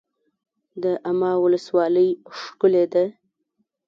واما ولسوالۍ ښکلې ده؟